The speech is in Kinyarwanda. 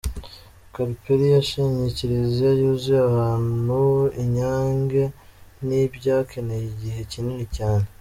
Caterpillar yashenye Kiliziya yuzuye abantu i Nyange, ntibyakeneye igihe kinini cyane.